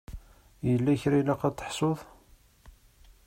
Yella kra ilaq ad t-ḥsuɣ?